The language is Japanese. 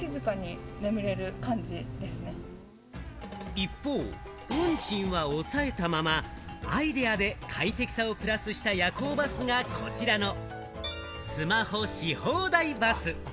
一方、運賃は抑えたままアイデアで快適さをプラスした夜行バスが、こちらのスマホし放題バス。